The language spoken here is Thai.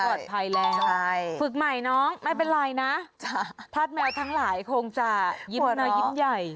หัวถ่ายแล้วภึกใหม่น้องไม่เป็นไรนะภาพแมวทั้งหลายคงจะยิ้มนะยิ้มใหญ่